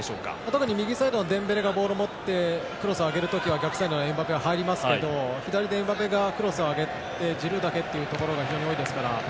特に右サイドのデンベレがボールを持ってクロスを上げる時は逆サイドのエムバペが入りますが左でエムバペがクロスを上げてもジルーだけというところが非常に多いですから。